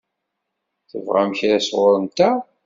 Tebɣam kra sɣur-nteɣ?